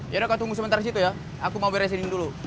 yaudah kau tunggu sebentar situ ya aku mau beresin ini dulu